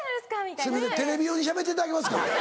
すいませんテレビ用にしゃべっていただけますか。